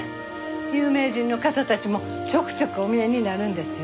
有名人の方たちもちょくちょくお見えになるんですよ。